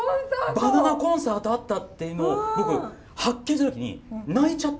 バナナコンサートあったっていうのを僕発見した時に泣いちゃったんですよ。